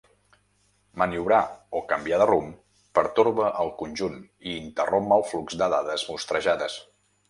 Maniobrar, o canviar de rumb, pertorba el conjunt i interromp el flux de dades mostrejades.